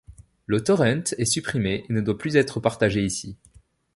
Le torrent est supprimé, et ne doit plus être partagé ici.